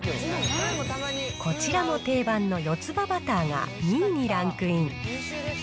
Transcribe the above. こちらも定番のよつ葉バターが２位にランクイン。